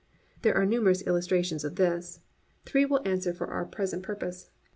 There are numerous illustrations of this. Three will answer for our present purpose.